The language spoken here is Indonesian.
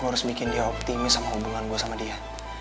gue harus bikin dia optimis sama hubungan gue sama dia